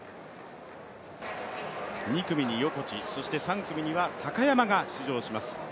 ２組に横地、３組には高山が出場します。